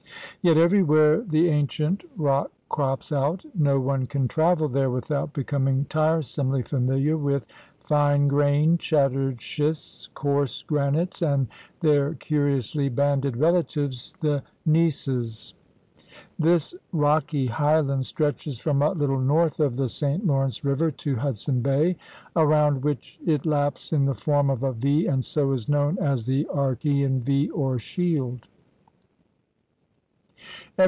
Yet everywhere the ancient rock crops out. No one can travel there without becoming tiresomely familiar with fine grained, shattered schists, coarse granites, and their curiously banded relatives, the gneisses. This rocky highland stretches from a little north of the St. Lawrence River to Hudson Bay, around which it laps in the form of a V, and so is known as the Archaean V or shield.